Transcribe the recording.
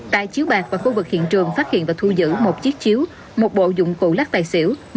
tại chiếu bạc và khu vực hiện trường phát hiện và thu giữ một chiếc chiếu một bộ dụng cụ lắc tài xỉu